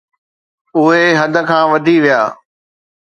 اهي حد کان وڌي ويا.